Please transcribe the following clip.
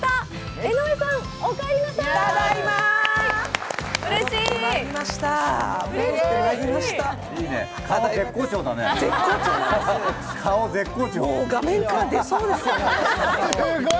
江上さん、おかえりなさい。